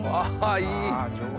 いい！